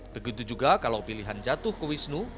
begitu juga kalau pilihan jatuh ke wisnu